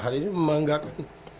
hari ini memang enggak kan